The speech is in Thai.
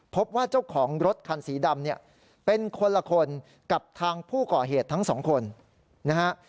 พบว่าเจ้าของรถคันสีดำเนี่ยเป็นคนละคนกับทางผู้ก่อเหตุทั้งสองคนนะฮะ